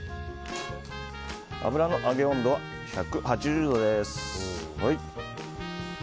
油の温度は１８０度です。